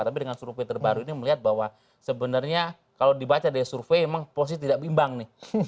tapi dengan survei terbaru ini melihat bahwa sebenarnya kalau dibaca dari survei memang posisi tidak bimbang nih